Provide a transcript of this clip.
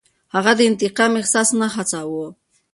هغه د انتقام احساس نه هڅاوه.